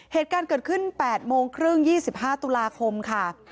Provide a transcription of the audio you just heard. เหตุการณ์เกิดขึ้น๘โมงครึ่ง๒๕ตุลาคมค่ะ